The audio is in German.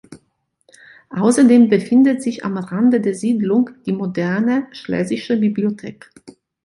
Außerdem befindet sich am Rande der Siedlung die moderne "Schlesische Bibliothek.